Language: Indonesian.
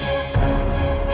terus kamu minta diganti